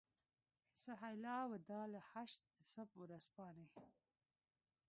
سهیلا وداع له هشت صبح ورځپاڼې.